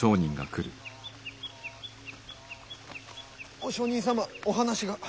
お上人様お話が。